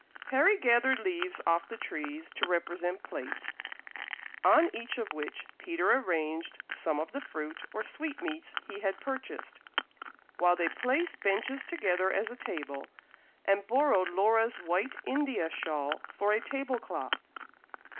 Harry gathered leaves off the trees to represent plates, on each of which Peter arranged some of the fruit or sweetmeats he had purchased, while they placed benches together as a table, and borrowed Laura's white India shawl for a table cloth.